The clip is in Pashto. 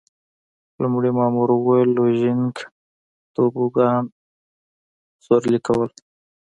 لومړي مامور وویل: لوژینګ، توبوګان سورلي کول.